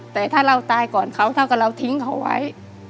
แต่ถ้าเราตายก่อนเขาเท่ากับเราทิ้งเขาไว้